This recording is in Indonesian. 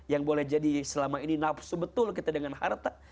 yang boleh jadi selama ini nafsu betul kita dengan harta